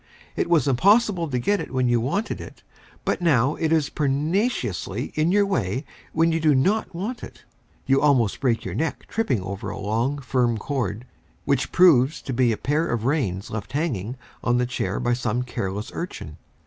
It was impossible to get it when you wanted it; but now it is pertinaciously in your way when you do not want it. You almost break your neck tripping over a long, firm cord, which proves to be a pair of reins left hanging on a chair by some careless urchin.